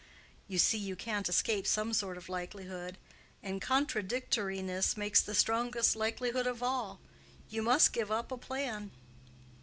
"You see you can't escape some sort of likelihood. And contradictoriness makes the strongest likelihood of all. You must give up a plan."